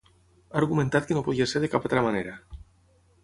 Ha argumentat que no podia ser de cap altra manera.